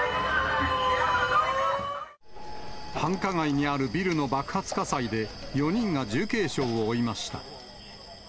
繁華街にあるビルの爆発火災で、４人が重軽傷を負いました。